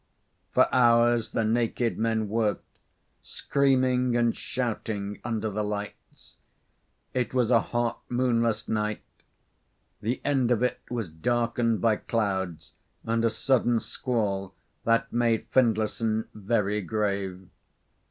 For hours the naked men worked, screaming and shouting under the lights. It was a hot, moonless night; the end of it was darkened by clouds and a sudden squall that made Findlayson very grave.